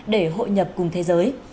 để hội nhập cùng thế giới